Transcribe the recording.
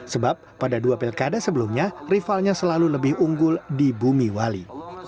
sebab pada dua pilkada sebelumnya rivalnya selalu lebih unggul di bumi wali